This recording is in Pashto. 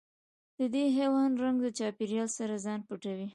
د دې حیوان رنګ د چاپېریال سره ځان پټوي.